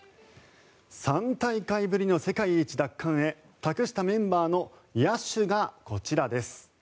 ３大会ぶりの世界一奪還へ託したメンバーの野手がこちらです。